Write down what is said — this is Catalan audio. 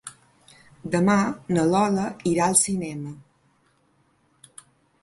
Demà na Lola irà al cinema.